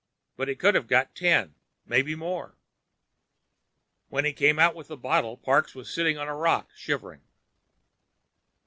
But he could have got ten—maybe more. When he came out with the bottle, Parks was sitting on a rock, shivering.